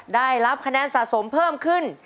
ได้รับคะแนนสะสมเพิ่มขึ้น